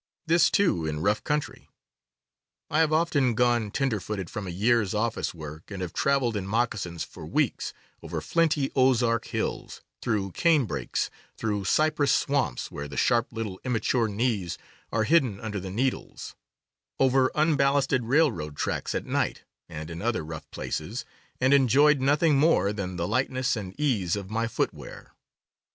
This, too, in rough country. I have often gone tenderfooted from a year's ofiice work and have traveled in moccasins for weeks, over flinty Ozark hills, through canebrakes, through cypress swamps where the sharp little immature '* knees" are hidden under the needles, over unballasted railroad tracks at night, and in other rough places, and enjoyed nothing more than the lightness and ease of my footwear.